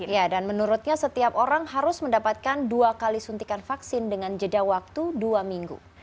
ya dan menurutnya setiap orang harus mendapatkan dua kali suntikan vaksin dengan jeda waktu dua minggu